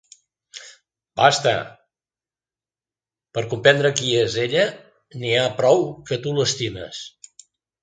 Basta! Per comprendre qui es ella, n'hi ha prou que tu l'estimes.